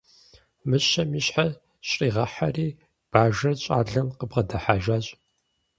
Мыщэм и щхьэр щӏригъэхьэри, бажэр щӏалэм къыбгъэдыхьэжащ.